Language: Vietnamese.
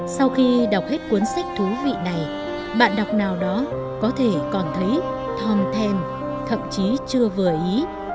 sau khi đọc hết cuốn sách thú vị này bạn đọc nào đó có thể còn thấy thong then thậm chí chưa vừa ý